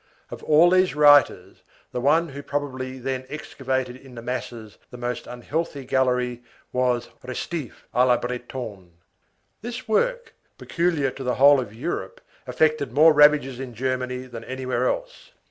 Of all these writers, the one who probably then excavated in the masses the most unhealthy gallery was Restif de La Bretonne. This work, peculiar to the whole of Europe, effected more ravages in Germany than anywhere else.